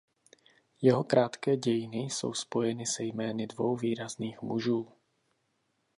Jeho krátké dějiny jsou spojeny se jmény dvou výrazných mužů.